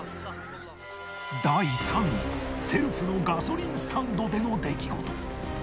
第３位はセルフのガソリンスタンドでの出来事。